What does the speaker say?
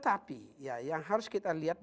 tapi ya yang harus kita lihat